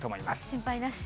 心配なし。